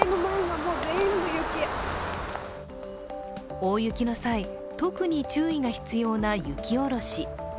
大雪の際、特に注意が必要な雪下ろし。